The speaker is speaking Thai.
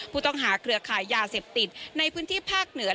ผู้ต้องหาเครือขายยาเสพติดในพื้นที่ภาคเหนือ